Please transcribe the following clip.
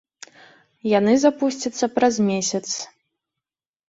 Яны запусцяцца праз месяц.